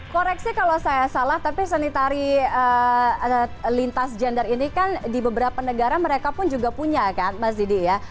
koreksi kalau saya salah tapi seni tari lintas gender ini kan di beberapa negara mereka pun juga punya kan mas didi ya